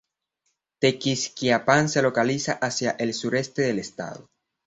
Tequisquiapan se localiza hacia el sureste del estado.